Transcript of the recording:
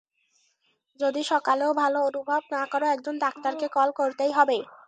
যদি সকালেও ভালো অনুভব না কর, একজন ডাক্তারকে কল করতেই হবে।